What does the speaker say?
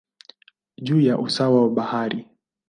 juu ya usawa wa bahari.